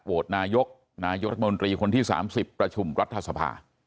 โหวตนายกนายกรัฐมนตรีคนที่๓๐ประชุมรัฐสภา